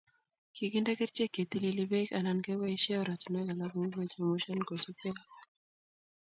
Kikinde kerichek cheitilili Bek anan koboisie oratinwek alak kou kechemshan kosubkei ak